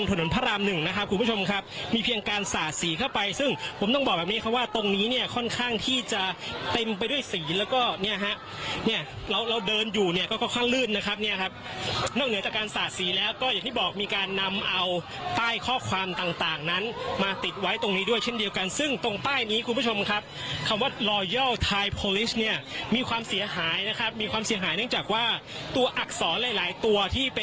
คุณผู้ชมครับมีเพียงการสาดสีเข้าไปซึ่งผมต้องบอกแบบนี้ว่าตรงนี้เนี่ยค่อนข้างที่จะเต็มไปด้วยสีแล้วก็เนี่ยฮะเนี่ยเราเดินอยู่เนี่ยก็ค่อนข้างลื่นนะครับเนี่ยครับนอกเหนือจากการสาดสีแล้วก็อย่างที่บอกมีการนำเอาป้ายข้อความต่างนั้นมาติดไว้ตรงนี้ด้วยเช่นเดียวกันซึ่งตรงป้ายนี้คุณผู้ชมครับคำว่